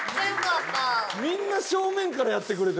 みんな正面からやってくれてる。